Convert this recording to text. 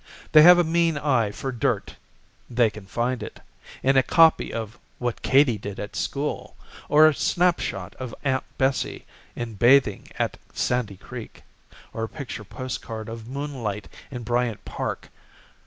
They have a mean eye for dirt; They can find it In a copy of "What Katy Did at School," Or a snapshot of Aunt Bessie in bathing at Sandy Creek, Or a picture postcard of Moonlight in Bryant Park.